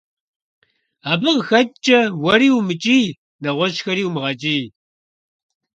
Абы къэхэкӀкӀэ уэри умыкӀий, нэгъуэщӀхэри умыгъэкӀий.